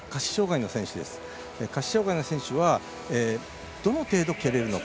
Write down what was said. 下肢障がいの選手はどの程度、蹴れるのか。